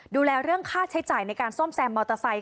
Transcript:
ดูแลเรื่องค่าใช้จ่ายในการซ่อมแซมมอเตอร์ไซค